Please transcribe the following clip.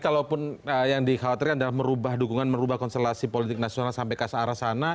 kalaupun yang dikhawatirkan adalah merubah dukungan merubah konstelasi politik nasional sampai ke searah sana